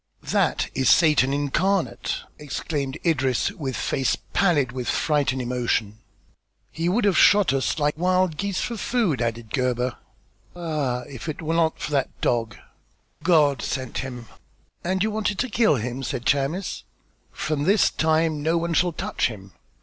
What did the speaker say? "That is Satan incarnate," exclaimed Idris, with face pallid with fright and emotion. "He would have shot us like wild geese for food," added Gebhr. "Ah, if it was not for that dog." "God sent him." "And you wanted to kill him?" said Chamis. "From this time no one shall touch him."